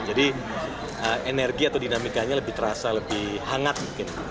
jadi energi atau dinamikanya lebih terasa lebih hangat mungkin nanti